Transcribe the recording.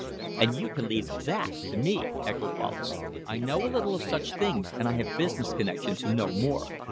"And you can leave THAT to ME," echoed Wallace. "I know a little of such things, and I have business connections who know more.